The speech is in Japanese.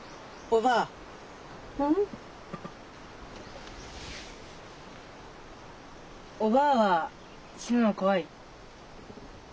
おばぁは死ぬの怖い？